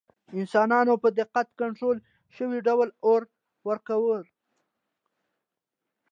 انسانانو په دقت کنټرول شوي ډول اور وکاراوه.